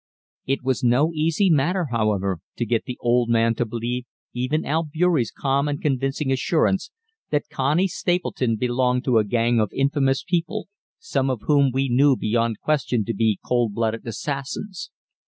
It was no easy matter, however, to get the old man to believe even Albeury's calm and convincing assurance that Connie Stapleton belonged to a gang of infamous people, some of whom we knew beyond question to be cold blooded assassins.